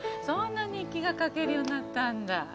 そんな日記が書けるようになったんだ。